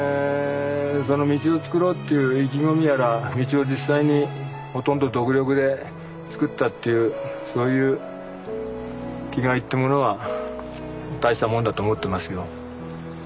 その道を作ろうっていう意気込みやら道を実際にほとんど独力で作ったっていうそういう気概ってものは大したもんだと思ってますよ。